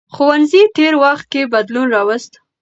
ښوونځي تېر وخت کې بدلون راوست.